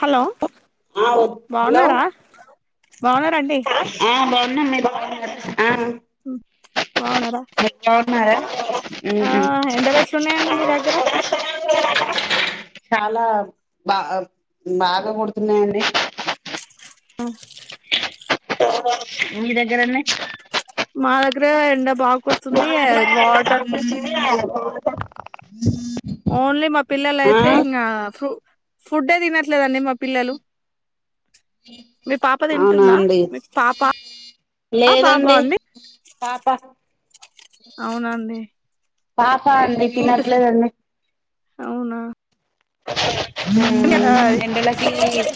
hello అ hello బాగున్నారంండి బాగు మీాగు బావుగున్నారా బాగున్నారా ఆ ఎండ దచలు ఉన్నాయండి మీ దగ్గర చాలా బా బాగా కొడుతున్నాయంండి ఆ ఇ దగ్గరన్నే మా దగర ఎండ బాగు మా ఓన్లీ మా పిల్లల అయితే ఇంకా ఫ్రూ ఫుడ్ే దిన లేదండి మా పిల్లలు మీ పాప అవునా తింటుందా అండి మీ పాప బాబా లేదండి అండి పాప అవునండి పా హ అడిీ ప ఫుడ్ నట్లేదడి అవునా ఎంటలోకి ఉ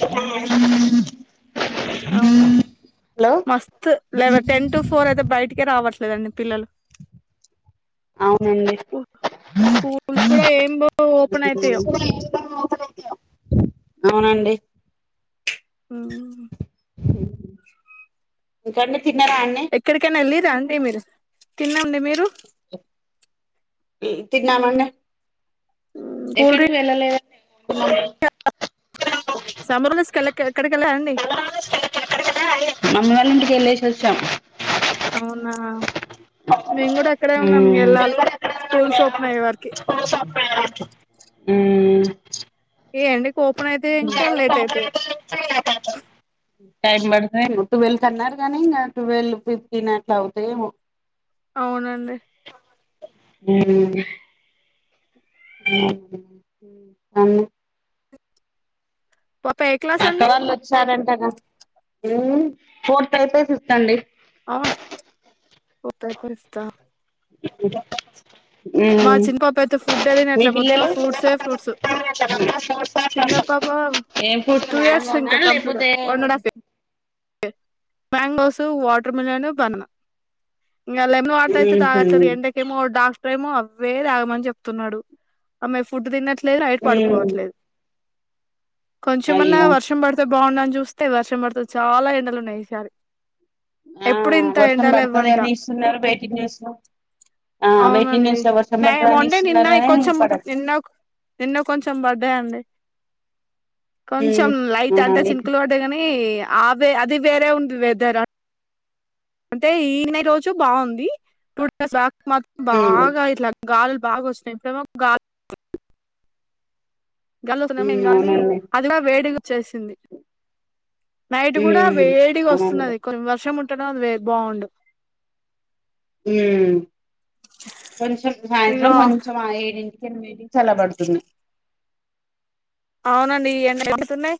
అవును మస్త్ వ టెన్ టు ఫోర్ అయితే బయట్కి రావర్ లేదండి పిల్లలు అవునండి స్కూ స్కూల్స్ కూడా ఏం ఓపెన్ అయితాయో అవునండి ఉ కడి తన్నారే అంటంటి మీరు తిన్నండి మీరు తిన్నామం ఎక్కడికి వెళ్ళలేద సమ్రద స్ కలక్ ఎక్కడికి వెళ్ళాలండి మమ్మీ వాళ్ళ ఇంటికి వెళ్ళేసి వచ్చాం అవునా మేము కూడా ఇక్కడే ఉన్నాం ఉమ్ వెెళ్ళాలి స్కూల్స్ ఓపెన్ అయ్యే వరికి ఏ అండి టైం పడుతుంది ట్వెల్వ్ కి అన్నారు గానీ ఇంకా టువెల్వ్ ఫిఫ్టీన్ అట్లా అవుతాయేమో అవునండి ఉమ్ అన్న పాప ఏ క్లాస్ అక్క అండి వాళ్ళు వచ్చారంటగా ఫోర్త్ అయిపోయి ఫిఫ్త్ అండి అవును పోతా కస్త చిన్న పాప అయితే ఫుడ్ అది మీ తినట్లే మొత్తం పిల్లలు ఫ్రూట్సే ఫ్రూట్స్ చిన్న పాప టూ ఇయర్స్ ఇంకా ఏం కంప్లీట్ లేకపోతే one and half year mangoes water melon banana ఇంగ లెమన్ వాటర్ అయితే తాగట్లేదు ఎండకకెమో డా [unintelligible] వ్వే తాగమని చెప్తున్నాడు ఆమె ఫుడ్ తిన్నట్ లేదు నైట్ పడుకోవట్లేదు కొంచెమన్న అయ్యో వర్షం పడితే బాగుండని చూస్తే వర్షం పడుతది చాలా ఎండలు ఉన్నాయి ఈసారి ఆ ఎప్పుడు ఇంత వర్షం ఎండలు పడుతుంది ఇవ్వంట అని ఇస్తున్నారు వేటు న్యూస్ లో వేటు న్యూస్ లో వ మండే నిన్న కొంచెం నిన్నో నిన్నో కొంచెం కొంచెం పడ్డాయండి కొంచెం లైట్ అవునా అంటే మీకు చినుకులు పడ్డాయి కాని ఆ వే అది వేరే ఉంది వెదర్ అంటే ఈన రోజు బాగుంది టూ డేస్ బ్యాక్ మత్ బాగా ఇట్లా గాలి బాగా వస్తున్నాయి ఇప్పుడేమో గాలి గల్లువాతున్నై గానీ అవునండి అది వేడిగా వచ్చేసింది నైట్ కూడా వేడిగా అవునండి వస్తున్నది కొ వర్షం ఉంటే [unintelligible] బాండు కొంచెం సాయంత్రం ఇక కొంచెం ఆ ఏడింటికి ఎనిమిది చల్ల బడుతుంది అవునండి ఈ ఎన్న ఎగుతున్నాయి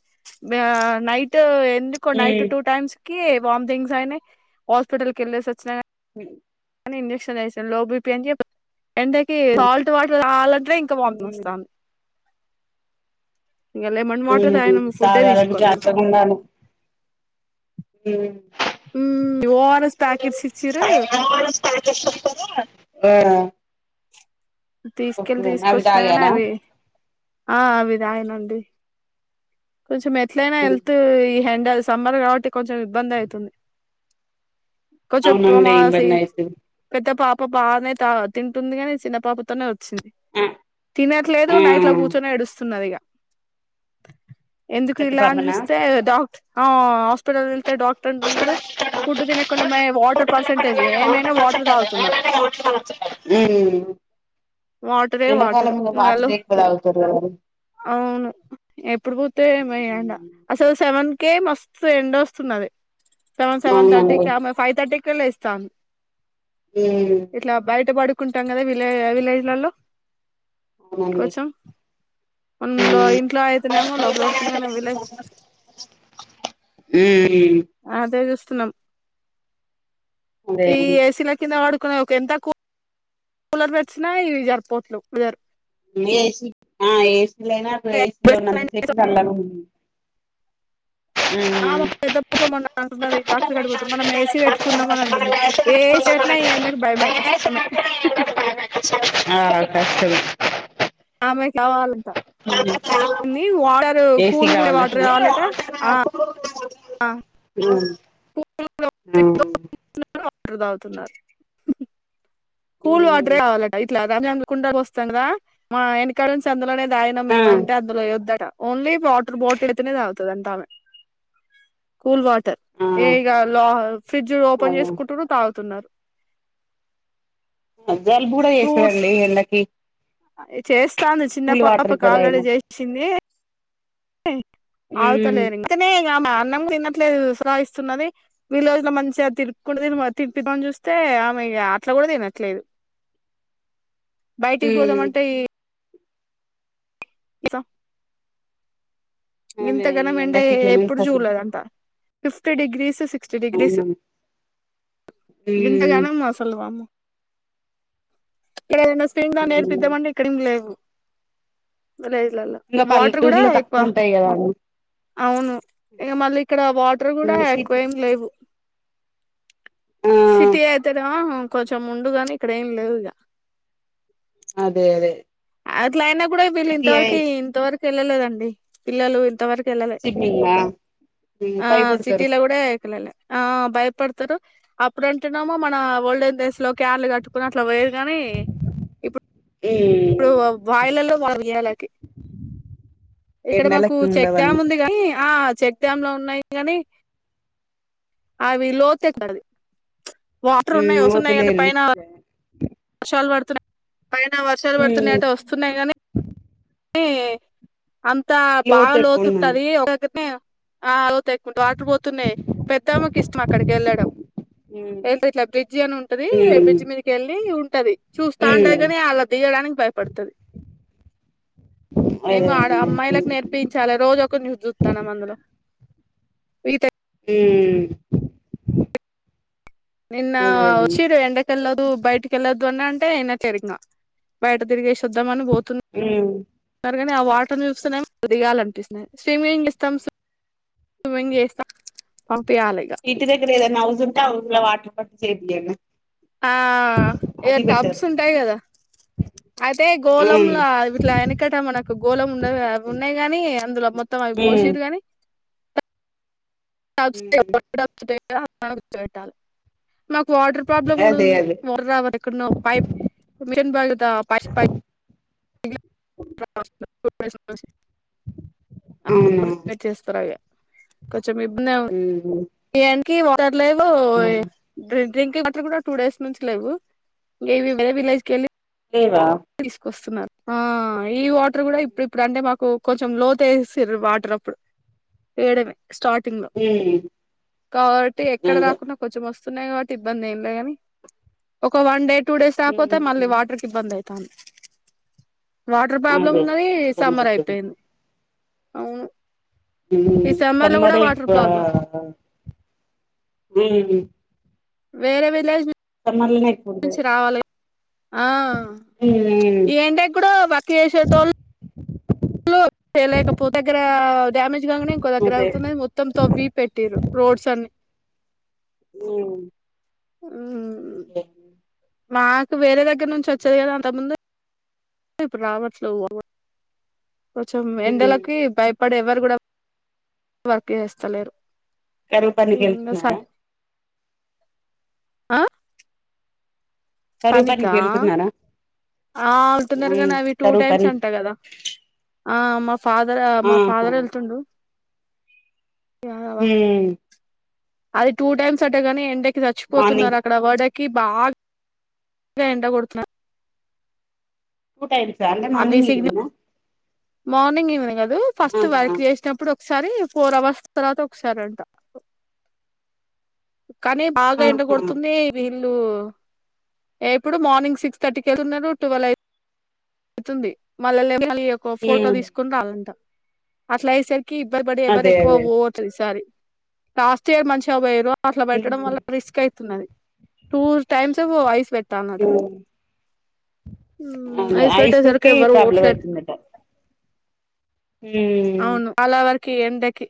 నైట్ ఎందుకు నైట్ టూ టైమ్స్ కి వథంగ్స్యనే హాస్పిటల్కి వెల్ సచ్చిన స ఇంజెక్షన్ లోబ పి ఎంటకి సాల్ట్ వాటర్ రావాలంటే ఇంకా పంపింగ్ వస్తాను వాటర్ తాగినం ఫుడ్డే కాగాాలకు తీసుకోలే ఇంకా అర్థకుడాను హ ఉ ఓఆర్ఎస్ ప్యాకెట్స్చ్చరు ఆ తీసుకెళ్లిి ఓకే అవి తీసుకొచ్చినా కానీ తాగారా అవి ఆ అవి రాాయనండి కొంచెం ఎట్లయినా హెల్త్ ఈ హ్యాండల్స్ సంమ్బర్ కాబట్టి కొంచెం ఇబ్బంది అవుతుంది కొచొప్ప అవునండి మా స ఇబ్బంది అయితది పెద్ద పాప పా బాగానే తింటుంది కాని చిన్న పాపతోనే ఆ తినట్లేదు నైట్ లో ఆ కూర్చొని ఎడుస్తున్నది ఇక ఎందుకు పెద్ద ఇలా అని పాపనా చూస్తే డాక్టర్ ఆ అ హాస్పిటల్ వెళ్తే డాక్టర్ ఉంటున్నాడు ఫుడ్ తినకుండా వాటర్ పర్సంటేజ్ ఏమైనా వాటర్ తాగుతున్నారు ఉమ్ వాటరే వాటర్ ఎండాకాలంలో ఇంకాళ వాటరే ఎక్కువ తాగుతారు కదా అవునండి అవును ఎప్పుడు మ అ అ సెవన్ కేే మస్తు ఎండ వస్తున్నది సెవన్ సెవన్ థర్టీకి ఉమ్ ఫైవ్ తథర్టీకి అఖలిస్తాన్ ఎట్లా బయట పడుకు కుంటాం కదా విలే్ విలేజ్లలో అవునండి కొంచెం మన లో ఉమ్ ఉమ్ ఇంట్లో అయితేనేమో లో రోడ్కునేనే వెళ ఏ స్స్తులం ఈ అదే ఎస్లా కింద వాడుకు ఒక ఎంత కూలర్ పెచ్చిన ఇవి జరిపోట్లు ఇదరు ఏస ఏసీ లేనా లో ఉన్నంత స చలాంది ఆ పెద్ద పాప మనం అంటన్నా కా కడిపోతుం మనం ఏసీ పెట్టుకుందాం అని అంటుంది ఏ ఏసీ పెట్టినా ఈ అందకి భయమే కష్టమే ఆ కష్టమే ఆమె కావాలంతా మీ వాడర్ ఏసీ కూల్ కూడా వాటర్ కావాలట కావాలంటనా ఆ ఆ ఆ నువ్వు వరదావుతున్నారు కూల్ వాటరే కావాలంటఇట్లాగా రాజఅంకు కుండ పోస్తాం కదా మా వెనకాల నుంచి అందులోనే ఆయన మేమంత అందులోయొద్ద ఆట ఓన్లీ వాటర్ బోటిల్ అయితేనే తాగు తరదంతా ఆమే కూల్వాట్ ఏయి కావంలో ఫ్రిడ్జ్ ఓపెన్ చేసుకుంట్రన్నారు తాగుతున్నారు జలుబు కూడా చేసినండి ఎండకి చేస్తే తాను చిన్న కూల్ పాప వాటర్ ఎక్కువ కాలడ తాగిన చేసింది అవతలేని అందుకనే ఆమె అన్నం తినట్లేదు విశ్రాస్తున్నది వీళ రోజుల మంచిగా తిరుకుంట త తిని చూస్తే ఆమె అట్లా కూడా తినచ్చు ట్లేదు బయటికి పోదామంటే ఈ ఇతా అదే ఇంతగాన ఈ వెంట ఎండకి ఎప్పుడు ఇట్ల చూడలేదంట ఫిఫ్త్ డిగ్రీ స్ సిక్స్ సిక్స్టీ డిగ్రీస్ ఇంత గనమా సల్వమ్ము ఎక్కడ రెండు స్కీంద నేర్పిద్దమంటే ఇక్కడం లేవు విలేజ్లలో ఇంకా వాటర్ కూడా పల్లెటూరులో ఎక్కువ తక్కువ ఉంటాయి కదా అవును ఇక మళ్ళీ ఇక్కడ వాటర్ కూడా ఎక్కువ సిటీ ఏమి లేవు ఆ సిటీ అయితే డెం కొంచెం ఉండుగాని ఇక్కడ ఏం లేవు ఇక అదే అదే అట్లా అయిన బ్ ఇప్పుడే ఫీలీంగ్ ఇంత సిటీ వర్కి ఇంత వర్కి వెళ్ళలేదండి పిల్లలు ఇంతవర్ ఎల్లలే సిటీలా ఆ భయపడతారు సిటీలో కూడా ఎక్కలలే ఆ భయపడతారు అప్పుడుంటున్నామో మన ఓల్డేన్ డేస్లో క్యాన్లు కట్టుకున్న అట్లా పోయాం గానే ఇప్ ఇప్పుడు వాయిలలో ఉయ్యాల కి ఇక్కడ మాకు ఎండలకి చెక్ డ్యాం ఉండవన్నీ ఉంది కానీ ఆ చెక్ డ్యామ్ లో ఉన్నాయి కానీ అవి లోత ఏ కాది వాటర్ ఉన్నాయి ఉమ్ వస్తున్నాయి కాండి వద్దులేండి పైన పాల్ వడుతున్నా పైన వర్షాలు ఉమ్ పడుతున్నాయట్టే వస్తున్నాయి కానీ ఆ అంతా బాగా లోతు ఎక్కువున్నది లోతుంటది ఒక దగ్గరనే ఆ క్కు వాటర్ పోతున్నాయి పెద్దమ్మకి ఇష్టం అక్కడికి వెళ్ళడం ఉమ్ వె ఇట్లా బ్రిడ్జ్ అని ఉంటది ఉమ్ బ్రిడ్జ్ మీదకి వెళ్ళి ఉంటది చూస్తా ఉంటది ఉమ్ కాని అలా దియడానికి భయపడుతుది అదే ఏమో ఆడ అమ్మాయిలకు అండి నేర్పించాలి రోజు ఒకక్కరి చ చూస్తాను అందులో ఈత ఉమ్ నిన్న అదే అండి వచ్చిరు ఎండకెలదు బయటికెల్దు అన్న అం టే చెరికినా బయట తిరగేస్ ద్దా మని పోతున్ ఉమ్ ఆ వాటర్ ను చూస్తే నే దిగానిపిస్తుయి స్విమింగ్ ఇస్తాం స్మింగ్స్తా చేస్తాం పంపియాలి ఇగ ఇంటి దగ్గర ఏదైనా హౌస్ ఉంటే హౌజ్ లో వాటార్ పట్టి చెపియ్యండి ఆ ఇగా టబ్స్ ఉంటాయి కదా అయితే ఉమ్ గోళంలా ఇట్లా వెనకట మనకు గోళం ఉండ కదా అవి ఉన్నాయి కానీ అందులో మొత్తం అవి ఉమ్ బోషిర్ గాని బ్ ఉమ్ [inaudible] కు వాటర్ ప్రాబ్లమ్ కూడా అదే ఉంది అదే వాటర్ రావ్ ఎక్కడో పైప్ మిన్ బాగుదా పైప్ పై అవును చేస్తారుా అవి చం ఇబ్బంది ఆవు ఉమ్ ఇ ఏ కీ వా తర్లోవో అవును డ్రింక్ డ్రింకింగ్ వాటర్ కూడా టూ డేస్ నుంచి లేవు ఇకేవి వేరే విలేజ్ క వెళ్ళి లేవా తీసుకొస్తున్నారు ఆ ఈ వాటర్ కూడా ఇప్పుడు ఇప్పుడు అంటే మాకు కొంచెం లో తేసేసిరు వాటర్ అప్పుడు వేయడమే స్టార్టింగ్ లో ఉమ్ కాబట్టి ఎక్కడ అదే దాకున్న కొంచెం వస్ సునే కాబట్టి ఇబ్బంది ఏ లే గాని ఒక వన్ డే టూ డేస్కపోతేళ్ళీ ఉమ్ వాటర్కి ఇబంది అయి పం వాటర్ ప్రాబ్లమ్ అదే ఉన్నది ఇబ్బంది సమ్మర్ అయితుంది అయిపోయింది అవును ఈ సమ్మర్ సన్ లో కూడా మరి వాటర్ ప్రాబ్లం వేరే విలేజ్ సమ్మర్లనే ఎక్కువ ఉంటది నుంచి రావాల ఆ ఉమ్ ఏంటే కూడా వర్క్ చేసేటోళ్ళు చేయలేకపో దగ్గర డ్యామేజ్ కాగానే ఇంకో దగ్గర అదే అవుతున్నాయి మొత్తం తవ్వి పెట్టరు రోడ్స్ అన్ని ఉమ్ ఉహు ఏ మాకు వేరే దగ్గర నుంచి వచ్చేది కదా అంతక ముందు ఇప్పుడు రావట్లేద్ ఓ ఓ కొంచెం ఉమ్ ఎండలకి బై అప్పుడు ఎవ్వరు కూడా వర్క్ చేస్తలేరు కరూపనికి ఇంకా స వెళ్తున్నారా ఆ కారూవపానికి పనికా వెళ్తున్నారా ఆ అంటున్నారు ఉమ్ కానీ అవి టూ కరువు టైమ్స్ పని అంటా కదా ఆమ్ మాఫ్ ఫాదర్ మా ఆహా ఫాదర్ వెళ్తుండు యా, హామ్ అది టూ టైమ్స్ అట్టేగాని ఎండ కి మార్నింగ్ చచ్చిపోతున్నారు అక్కడ వర్డ కి బా ేంట కొడుతునర్ ఊటాయి సండే మార్నింగ్ ఈవెనింగ్ గా మార్నింగ్ ఈవనింగ్ కాదు హ్మ్ ఫస్ట్ వర్క్ చేసేటప్పుడు ఒక్ ఒకసారి ఫోర్ అవర్స్ తర్వాత ఒకసారి అంట కానీ బాగా ఎండ ఆహా ఉమ్ కొడుతుంది వి వీళ్ళు ఎప్పుడు మార్నింగ్ సిక్స్ థర్టీకి వెళ్తున్నరు ట్యువెల్ అయి అవుతుంది మళ్ళ ల్లి ఒక ఫోటో తీసుకుని [unintelligible] అట్లా అయ్యేసరి కి ఇబ్బరు పడి ఎవరు అదే ఎక్కువ అదే పోవతు ఈసారి లాస్ట్ ఇయర్ మంచిగా పోయిర్రు అట్ల ఉమ్ పెట్టడం వల్ల రిస్క్ అయితున్నది టూ టైమ్స్ ఏమో ఐస్ వె [unintelligible] ఉమ్ హు అయి ఐసుకి ప్రాబ్లం అయితుందట హుమ్ కి ఎండకి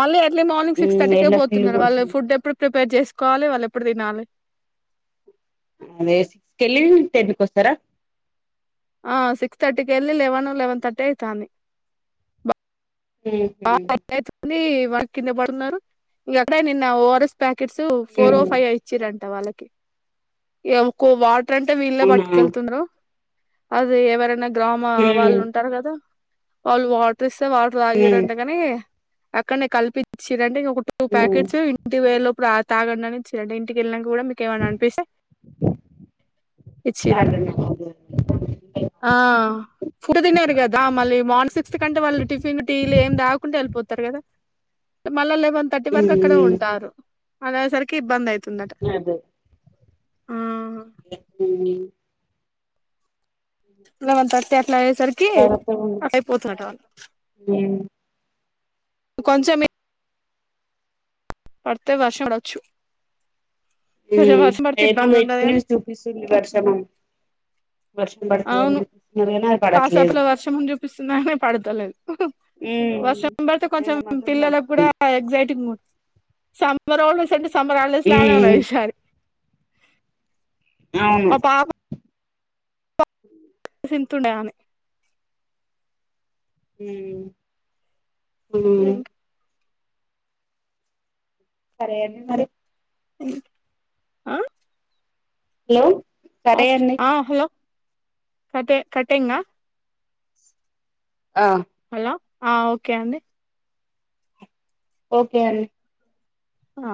మళ్లీ మార్నింగ్ సిక్స్ ఉమ్ థర్టీకే ఎండ ఫుల్ పోతున్నారు వాళ్ళు కొడుతుంది ఎప్పుడు ఫుడ్ ప్రిపేర్ చేసుకోవాలి వాళ్ళు ఎప్పుడు తినాలి అదే తెలియంది టెన్త్ కి వస్తార ఆ సిక్స్ తర్టీకి ఏళ్ళి లెవెన్ లెవెన్ తర్టీ అయితాంది ఉహు ఆ కట్ట్ అయితుంది వారు కింద పడి ఉన్నారు ఇంక అక్కడే నిన్న O R S packets four ఓ ఉమ్ ఫైవ్ ఇచ్చిరం వాళ్లకి ఏంకు వాట్ ఎట్టంటే వీళ్ళే అవునా [unintelligible] అదే ఎవరన్నా గ్రామ వాళ్ళు ఉమ్ ఉంటారు కదా వాళ్ళు వాటర్ వాటర్ తాగి ఉమ్ రన్ అక్కడనే కల్పించిరంటే ఇం ఇప్పుడు టూ ఉమ్ ప్యాకెట్స్ ఇంటి పోయే లో ఆ తాగండి ఇచిరట ఇంటికకెళ్ళి మీకు ఏమైనా అనిపిస్తే ఇచిరట అదే తర్వాత ఆ ఫుడ్ తిన్నారు కదా మళ్ళీ మాన్ సిక్త్ అంటాయి వాళ్ళు టిఫిన్లు టీలు ఏ వెళ్ళిపోతారు కదా మళ్ళ వన్ థర్టీ వరకు అక్కడే ఉంటారు అదియేసరికి ఇబందయి తుందట ఆ మ్మ్ లెవెన్ థర్టీ అట్లా అయ్యేసరికి అట్ అయిపోతుదట కొంచెం పడితే వర్షం పడచ్చు ఏమో వేటు కాని న్యూస్ చూపిస్తుంది వర్షం అని అవును అది పడట్లేదు కాసేపట్లో వర్షం అని చూపిస్తుంది పడతలేదు వర్షం పడితే కొంచెం ఎండ మాత్రం పిల్లలకు కూడా దంచుతుంది ఎగ్జైటింగ్ గు సమ్మెర్ హాలిడేస్ [unintelligible] సమ్మెర్ హాలిడేస్లానే ఉన్నది ఈ సారి అవును సింతుండే ఆమె ఉమ్ ఉమ్ సరే అండి మరి ఆ హలో సరే ఆఫ్ అండి ఆ హలో కటే కట్టేంగా ఆ ఆ ఓకే అండి ఓకే అండి అ